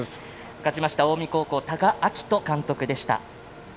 勝ちました近江高校多賀章仁監督でした。